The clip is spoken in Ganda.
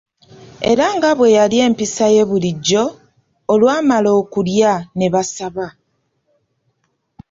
Era nga bwe yali empisa ye eya bulijjo, olwamala okulya ne basaba.